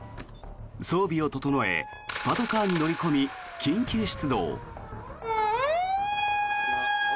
装備を整え、パトカーに乗り込み緊急出動。